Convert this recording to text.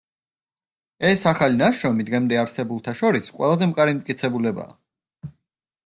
ეს ახალი ნაშრომი დღემდე არსებულთა შორის, ყველაზე მყარი მტკიცებულებაა.